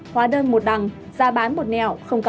hóa đơn một đằng giá bán một nền